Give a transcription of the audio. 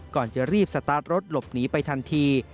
ก่อนจะรีบสตาร์ทรถหลบหนีไปทันที